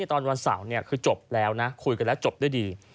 ตอนวันเสาร์คือจบแล้วนะคุยกันแล้วจบด้วยดี